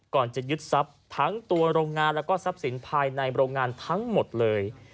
จะยึดทรัพย์ทั้งตัวโรงงานแล้วก็ทรัพย์สินภายในโรงงานทั้งหมดเลย